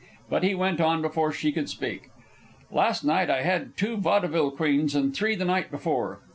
But he went on before she could speak. "Last night I had two vaudeville queens, and three the night before.